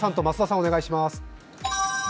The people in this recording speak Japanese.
お願いします。